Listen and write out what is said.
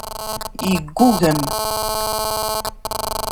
Yeggugem.